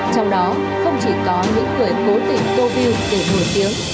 trong đó không chỉ có những người cố tình tô view để nổi tiếng